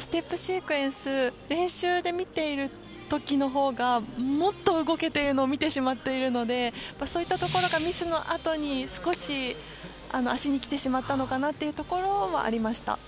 ステップシークエンスは練習で見ていた時のほうがもっと動けているのを見てしまっているのでそういったところがミスのあとに少し足にきてしまったのかなというところもありました。